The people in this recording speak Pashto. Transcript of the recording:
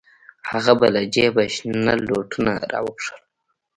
هغه به له جيبه شنه لوټونه راوکښل.